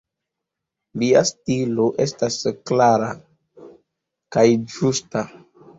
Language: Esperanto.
Lia stilo estas klara kaj ĝusta.